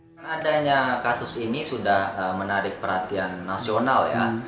karena adanya kasus ini sudah menarik perhatian nasional ya